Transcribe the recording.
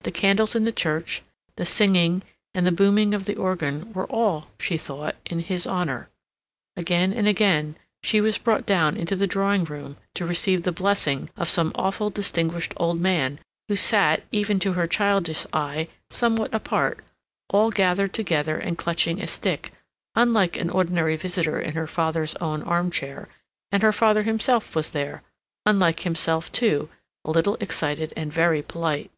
The candles in the church, the singing and the booming of the organ, were all, she thought, in his honor. Again and again she was brought down into the drawing room to receive the blessing of some awful distinguished old man, who sat, even to her childish eye, somewhat apart, all gathered together and clutching a stick, unlike an ordinary visitor in her father's own arm chair, and her father himself was there, unlike himself, too, a little excited and very polite.